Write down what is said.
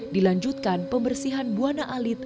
dilanjutkan pembersihan buana alit